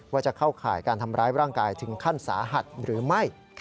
ว่าจะเข้าข่ายการทำร้ายร่างกายถึงขั้นสาหัสหรือไม่